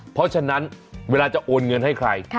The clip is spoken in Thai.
เพราะฉะนั้นเวลาจะโอนเงินให้ใคร